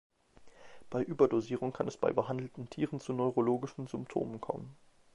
Bei Überdosierung kann es bei behandelten Tieren zu neurologischen Symptomen kommen.